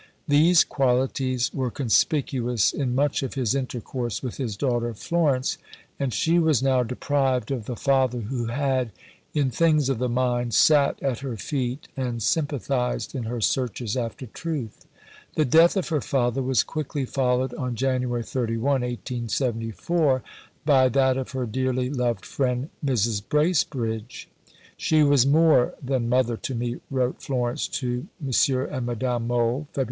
These qualities were conspicuous in much of his intercourse with his daughter Florence, and she was now deprived of the father who had, in things of the mind, sat at her feet and sympathized in her searches after truth. The death of her father was quickly followed, on January 31, 1874, by that of her dearly loved friend, Mrs. Bracebridge. "She was more than mother to me," wrote Florence to M. and Madame Mohl (Feb.